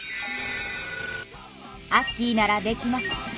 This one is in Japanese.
アッキーならできます。